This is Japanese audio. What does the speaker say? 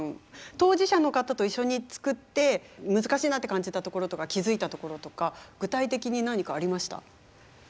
当事者の方と一緒に作って難しいなって感じたところとか気付いたところとか具体的に何かありました？